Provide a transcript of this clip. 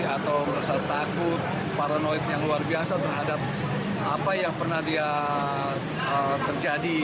atau merasa takut paranoid yang luar biasa terhadap apa yang pernah dia terjadi